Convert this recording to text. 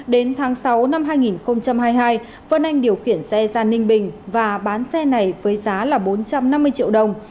đến tháng sáu năm hai nghìn hai mươi hai vân anh điều khiển xe ra ninh bình và bán xe này với giá là bốn trăm năm mươi triệu đồng